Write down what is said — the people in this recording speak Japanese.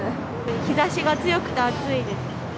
日ざしが強くて暑いです。